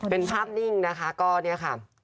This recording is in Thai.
เป็นภาพนิ่งนะคะก็เนี่ยค่ะ